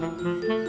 kamu mau ke rumah